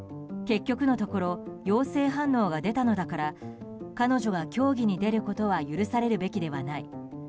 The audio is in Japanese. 結局のところ陽性反応が出たのだから彼女は競技に出ることは許されるべきではない。